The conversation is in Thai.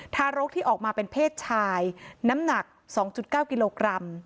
ทารกที่ออกมาเป็นเพศชายน้ำหนัก๒๙กิโลกรัม